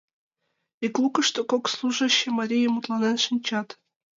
Ик лукышто кок служаще марий мутланен шинчат.